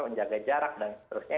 menjaga jarak dan seterusnya